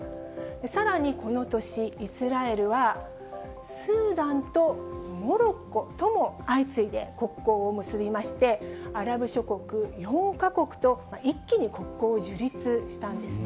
さらに、この年、イスラエルは、スーダンとモロッコとも相次いで国交を結びまして、アラブ諸国４か国と一気に国交を樹立したんですね。